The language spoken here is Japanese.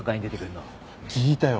聞いたよ。